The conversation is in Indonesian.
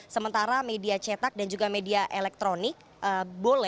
sementara media cetak dan juga media elektronik boleh diperbolehkan untuk tetap berada di ruang sidang holde